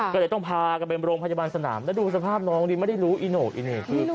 ก็เลยต้องพากันบรงผจบานสนามดูสภาพน้องเนี้ยไม่ได้รู้อีโหน่ออีนี